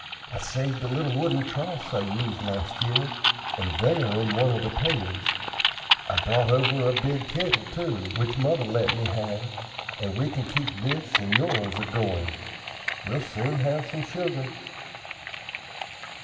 I saved the little wooden troughs I used last year, and they are in one of the pails. I brought over a big kittle, too, which mother let me have, and if we can keep this and yours a goin', we'll soon have some sugar."